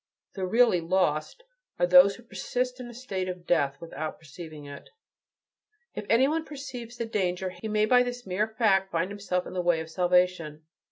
The really "lost" are those who persist in a state of death, without perceiving it. If any one perceives the danger, he may by this mere fact find himself in the way of salvation.